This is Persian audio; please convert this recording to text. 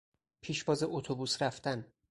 پیشواز اتوبوس رفتن